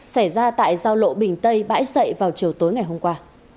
xảy ra tại giao lộ bình tây bãi dậy vào chiều tối ngày hôm qua